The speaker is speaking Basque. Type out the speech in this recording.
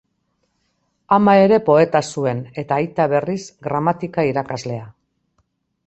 Ama ere poeta zuen, eta aita, berriz, gramatika-irakaslea.